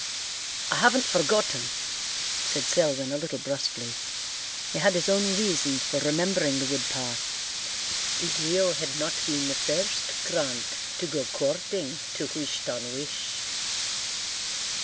"I haven't forgotten," said Selwyn, a little brusquely. He had his own reasons for remembering the wood path. Leo had not been the first Grant to go courting to Wish ton wish.